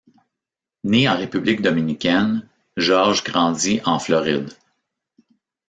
Né en République dominicaine, George grandit en Floride.